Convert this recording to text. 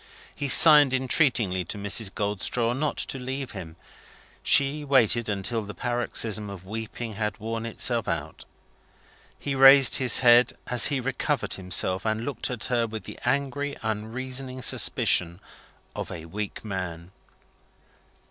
He signed entreatingly to Mrs. Goldstraw not to leave him. She waited until the paroxysm of weeping had worn itself out. He raised his head as he recovered himself, and looked at her with the angry unreasoning suspicion of a weak man.